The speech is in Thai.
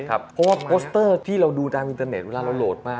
เพราะว่าโปสเตอร์ที่เราดูตามอินเทอร์เน็ตเวลาเราโหลดมา